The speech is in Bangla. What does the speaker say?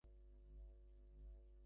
উভয়ে মন্দিরে প্রবেশ করিলেন।